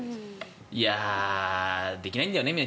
いやあできないんだよね。